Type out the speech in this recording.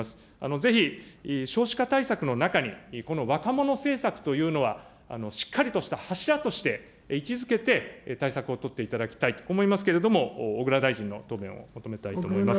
ぜひ、少子化対策の中に、この若者政策というのはしっかりとした柱として位置づけて、対策を取っていただきたいと思いますけれども、小倉大臣の答弁を求めたいと思います。